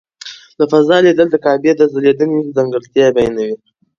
له فضا لیدل د کعبې د ځلېدنې ځانګړتیا بیانوي.